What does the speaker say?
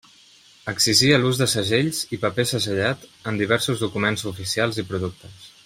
Exigia l'ús de segells i paper segellat en diversos documents oficials i productes.